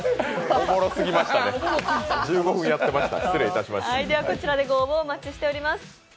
おもろすぎました、１５分やってた。